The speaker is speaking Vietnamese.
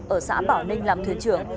ở xã bảo ninh làm thuyền trưởng